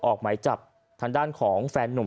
ออกหมายจับทางด้านของแฟนนุ่ม